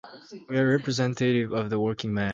We are representatives of the working man.